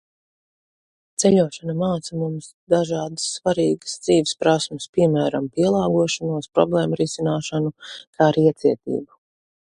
Traveling also teaches us important life skills, such as adaptability, problem-solving, and tolerance.